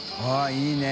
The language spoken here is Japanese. △いいね。